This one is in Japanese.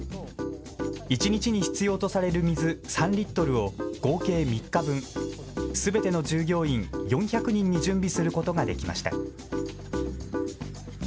一日に必要とされる水３リットルを合計３日間分、すべての従業員４００人に準備することができました。